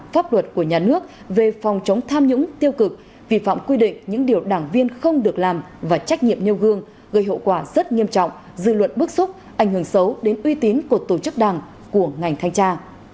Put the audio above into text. pháp luật của nhà nước về phòng chống tham nhũng tiêu cực vi phạm quy định những điều đảng viên không được làm và trách nhiệm nêu gương gây hậu quả rất nghiêm trọng dư luận bức xúc ảnh hưởng xấu đến uy tín của tổ chức đảng của ngành thanh tra